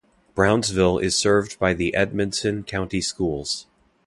Brownsville is served by the Edmonson County Schools.